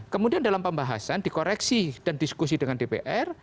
kemudian dalam pembahasan dikoreksi dan diskusi dengan dpr